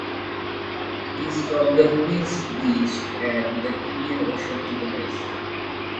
It is from Quinns Beach and the Indian Ocean to the west.